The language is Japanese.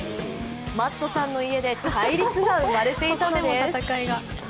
マットさんの家で対立が生まれていたのです。